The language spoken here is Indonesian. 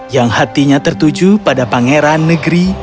yang hatinya tertuju pada pangeran negeri